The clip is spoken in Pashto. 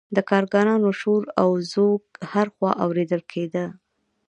د کارګرانو شور او ځوږ هر خوا اوریدل کیده.